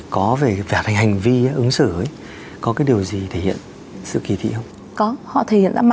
cháu cũng đi về nhà